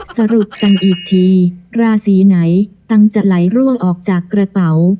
สรุปกันอีกทีราศีไหนตังค์จะไหลร่วงออกจากกระเป๋า